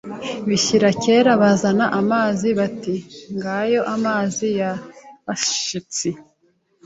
Bishyira kera bazana amazi bati Ngayo amazi yabashyitsi,